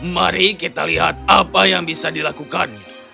mari kita lihat apa yang bisa dilakukan